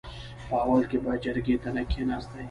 په اول کې به جرګې ته نه کېناستې .